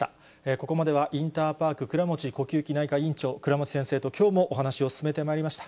ここまではインターパーク倉持呼吸器内科院長、倉持先生ときょうもお話を進めてまいりました。